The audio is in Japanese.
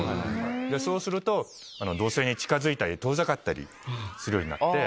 そうすると土星に近づいたり遠ざかったりするようになって。